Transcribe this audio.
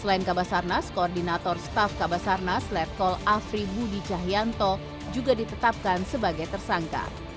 selain kabasarnas koordinator staff kabasarnas letkol afri budi cahyanto juga ditetapkan sebagai tersangka